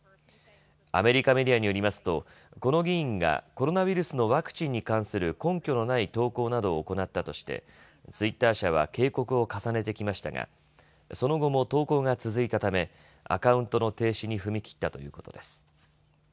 アメリカメディアによりますとこの議員がコロナウイルスのワクチンに関する根拠のない投稿などを行ったとして、ツイッター社は警告を重ねてきましたがその後も投稿が続いたためアカウントの停止に踏み切ったということです。